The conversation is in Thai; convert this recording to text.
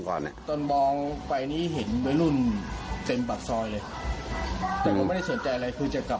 ตอนจะเห็นบนฟุ่งไป